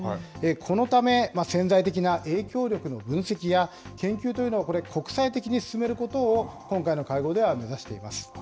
このため、潜在的な影響力の分析や研究というのを、これ、国際的に進めることを今回の会合では目指しています。